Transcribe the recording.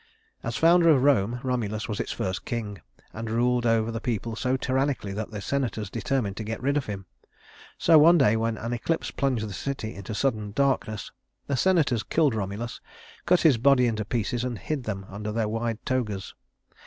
As founder of Rome, Romulus was its first king, and ruled over the people so tyrannically that the senators determined to get rid of him. So one day when an eclipse plunged the city into sudden darkness, the senators killed Romulus, cut his body into pieces, and hid them under their wide togas.